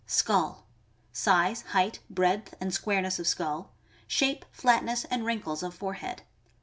Skull. — Size, height, breadth, and squareness of skull, shape, flatness, and wrinkles of forehead.